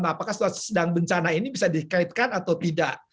apakah situasi sedang bencana ini bisa dikaitkan atau tidak